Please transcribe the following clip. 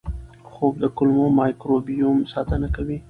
خوب د کولمو مایکروبیوم ساتنه کوي.